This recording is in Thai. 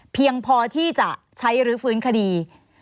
เพียงพอที่จะใช้รื้อฟื้นคดี